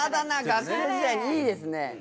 学生時代にいいですね。